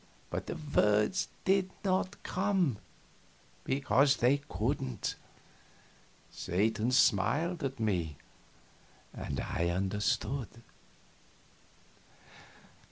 But the words did not come, because they couldn't. Satan smiled upon me, and I understood.